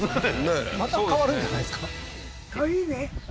ねえまた変わるんじゃないですか？